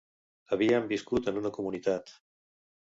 Havíem viscut en una comunitat